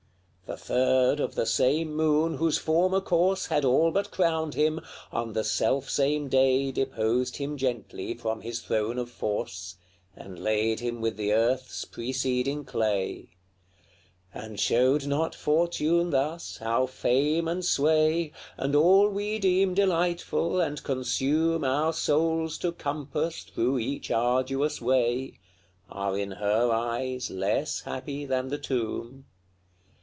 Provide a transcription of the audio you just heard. LXXXVI. The third of the same moon whose former course Had all but crowned him, on the self same day Deposed him gently from his throne of force, And laid him with the earth's preceding clay. And showed not Fortune thus how fame and sway, And all we deem delightful, and consume Our souls to compass through each arduous way, Are in her eyes less happy than the tomb?